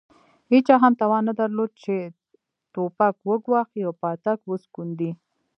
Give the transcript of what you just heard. هېچا هم توان نه درلود چې توپک وګواښي او پاټک وسکونډي.